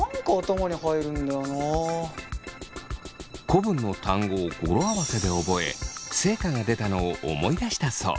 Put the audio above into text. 古文の単語を語呂合わせで覚え成果が出たのを思い出したそう。